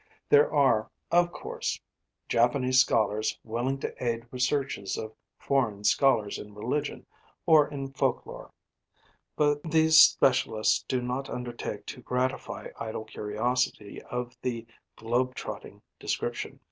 There are, of course, Japanese scholars willing to aid researches of foreign scholars in religion or in folk lore; but these specialists do not undertake to gratify idle curiosity of the 'globe trotting' description.